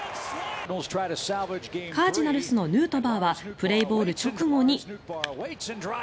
カージナルスのヌートバーはプレーボール直後に。